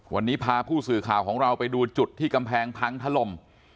วันนี้พาผู้สื่อข่าวของเราไปดูจุดที่กำแพงพังถล่ม